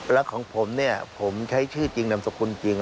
แล้วของผมเนี่ยผมใช้ชื่อจริงนามสกุลจริง